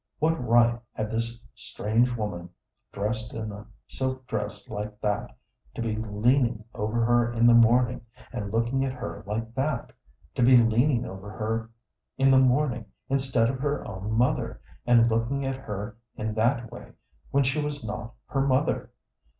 What right had this strange woman, dressed in a silk dress like that, to be leaning over her in the morning, and looking at her like that to be leaning over her in the morning instead of her own mother, and looking at her in that way, when she was not her mother?